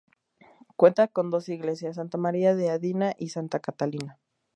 Cuenta con dos iglesias: Santa María da Adina y Santa Catalina.